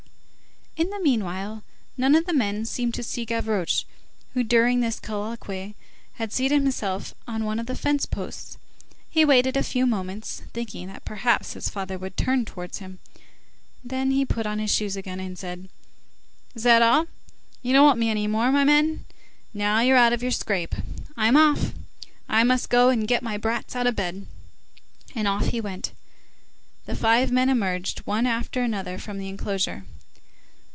In the meanwhile, none of the men seemed to see Gavroche, who, during this colloquy, had seated himself on one of the fence posts; he waited a few moments, thinking that perhaps his father would turn towards him, then he put on his shoes again, and said:— "Is that all? You don't want any more, my men? Now you're out of your scrape. I'm off. I must go and get my brats out of bed." And off he went. The five men emerged, one after another, from the enclosure.